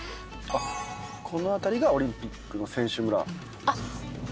この辺りがオリンピックの選手村。